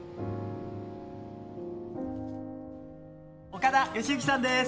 岡田吉之さんです！